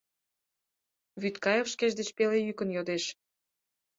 — Вӱдкаев шкеж деч пеле йӱкын йодеш.